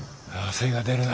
精が出るな。